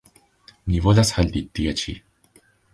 Ni volas halti tie ĉi.